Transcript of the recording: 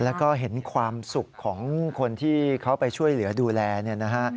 แล้วก็เห็นความสุขของคนที่เขาไปช่วยเหลือดูแลเนี่ยนะฮะ